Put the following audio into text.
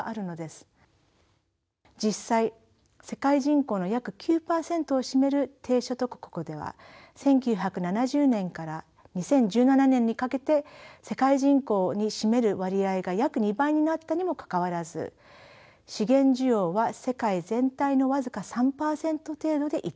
実際世界人口の約９％を占める低所得国では１９７０年から２０１７年にかけて世界人口に占める割合が約２倍になったにもかかわらず資源需要は世界全体の僅か３％程度で一定しています。